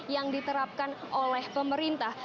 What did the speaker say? yang diterapkan oleh pemerintah